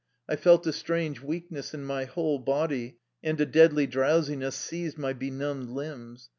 I felt a strange weakness in my whole body, and a deadly drowsiness seized my benumbed limbs.